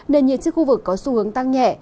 nền nhiệt trên khu vực có xu hướng tăng nhẹ